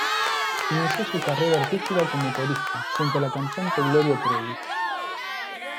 Inició su carrera artística como corista junto a la cantante Gloria Trevi.